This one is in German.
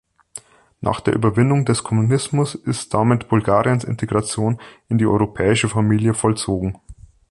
Nach der Überwindung des Kommunismus ist damit Bulgariens Integration in die europäische Familie vollzogen.